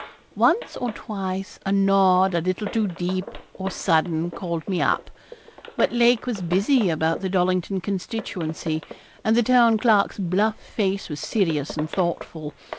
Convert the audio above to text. Once or twice a nod a little too deep or sudden called me up. But Lake was busy about the Dollington constituency, and the Town Clerk's bluff face was serious and thoughtful.